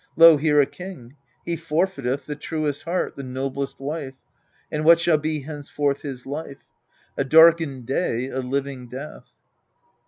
Lo, here a king he forfeiteth The truest heart, the noblest wife : And what shall be henceforth his life ?, A darkened day, a living death.